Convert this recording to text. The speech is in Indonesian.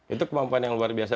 itu kemampuan yang luar biasa